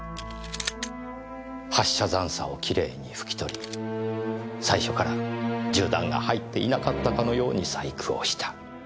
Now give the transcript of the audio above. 発射残渣をきれいに拭き取り最初から銃弾が入っていなかったかのように細工をした。